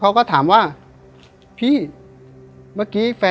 หล่นลงมาสองแผ่นอ้าวหล่นลงมาสองแผ่น